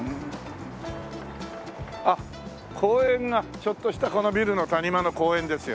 あっ公園がちょっとしたこのビルの谷間の公園ですよね。